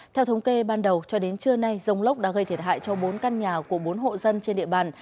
theo thống kê ban đầu cho đến trưa nay dông lốc đã gây thiệt hại cho bốn căn nhà của bốn hộ dân trên địa bàn